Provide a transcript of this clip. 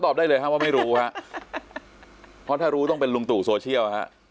ได้เลยฮะว่าไม่รู้ฮะเพราะถ้ารู้ต้องเป็นลุงตู่โซเชียลฮะ